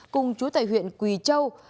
cùng chú tại huyện quỳ châu